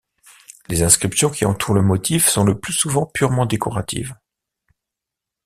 Les inscriptions qui entourent le motif sont le plus souvent purement décoratives.